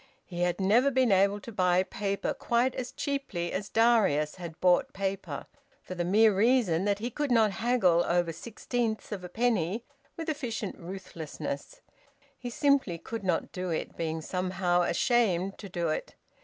He had never been able to buy paper quite as cheaply as Darius had bought paper, for the mere reason that he could not haggle over sixteenths of a penny with efficient ruthlessness; he simply could not do it, being somehow ashamed to do it.